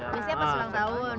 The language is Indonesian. biasanya pas ulang tahun